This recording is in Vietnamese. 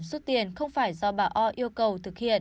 số tiền không phải do bà o yêu cầu thực hiện